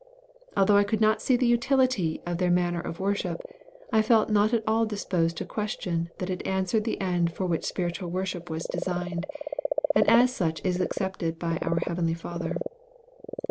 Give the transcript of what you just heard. Although I could not see the utility of their manner of worship, I felt not at all disposed to question that it answered the end for which spiritual worship was designed, and as such is accepted by our heavenly Father.